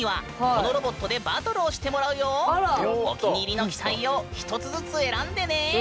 お気に入りの機体を一つずつ選んでね！